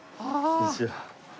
こんにちは。